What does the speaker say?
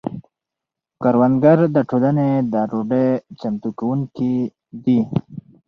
کروندګر د ټولنې د ډوډۍ چمتو کونکي دي.